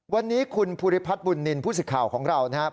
วันนี้คุณภูริพัฒน์บุญนินทร์ผู้สิทธิ์ข่าวของเรานะครับ